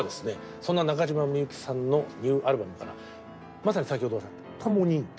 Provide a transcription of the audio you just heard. そんな中島みゆきさんのニューアルバムからまさに先ほど「倶に」。